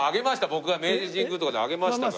僕は明治神宮とかで挙げましたから。